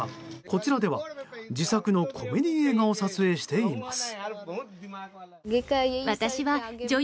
こちらでは自作のコメディー映画を撮影しています。